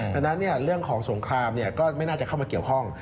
ดังนั้นเรื่องของสงครามก็ไม่น่าจะเข้ามาเกี่ยวข้อง